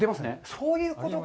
そういうことか。